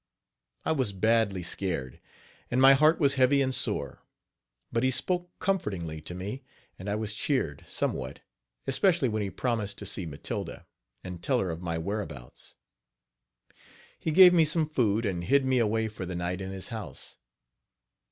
I was badly scared, and my heart was heavy and sore; but he spoke comfortingly to me, and I was cheered, somewhat, especially when he promised to see Matilda, and tell her of my whereabouts. He gave me some food, and hid me away for the night in his house.